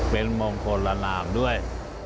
เป็นมงคลละนามด้วย